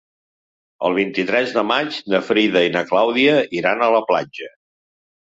El vint-i-tres de maig na Frida i na Clàudia iran a la platja.